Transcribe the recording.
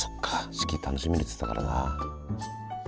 四季楽しみにっつってたからな。